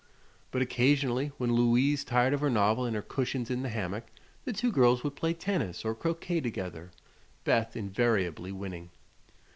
But occasionally, when Louise tired of her novel and her cushions in the hammock, the two girls would play tennis or croquet together Beth invariably winning.